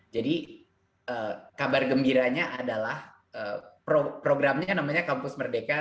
jadi kabar gembiranya adalah programnya namanya kampus merdeka jenis